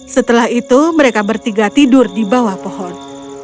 setelah itu mereka bertiga tidur di bawah pohon